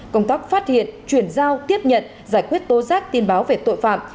công tác phát hiện truyền giao tiếp nhận giải quyết tố rác tin báo về tội phạm